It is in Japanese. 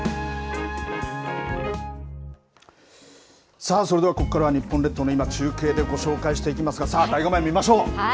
さあ、それではここからは日本列島の今中継でご紹介していきますがさあ、大画面、見ましょう。